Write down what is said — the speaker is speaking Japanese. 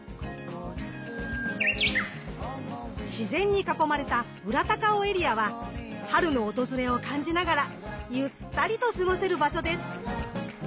自然に囲まれた裏高尾エリアは春の訪れを感じながらゆったりと過ごせる場所です。